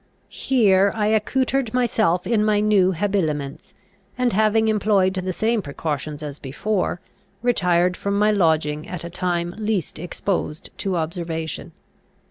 Here I accoutred myself in my new habiliments; and, having employed the same precautions as before, retired from my lodging at a time least exposed to observation.